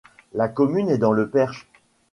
La commune est dans le Perche.